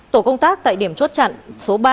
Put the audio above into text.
tổ công tác tại điểm chốt chặn số ba